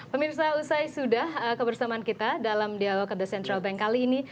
pemirsa usai sudah kebersamaan kita dalam dialog the central bank kali ini